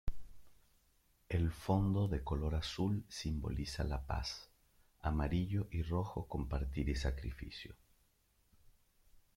El fondo de color azul, simboliza la paz Amarillo y Rojo, compartir y Sacrificio.